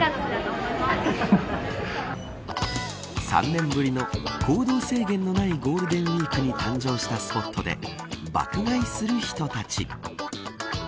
３年ぶりの行動制限のないゴールデンウイークに誕生したスポットで爆買いする人たち。